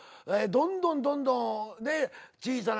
どんどんどんどんねっ。